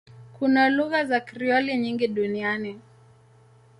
Kuna lugha za Krioli nyingi duniani.